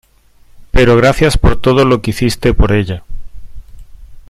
pero gracias por todo lo que hiciste por ella.